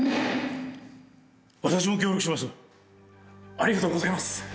ありがとうございます。